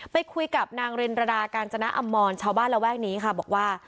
ไปคุยกับนางเรนรดากาญจนมรชาวบ้านระแวกนี้ค่ะบอกว่า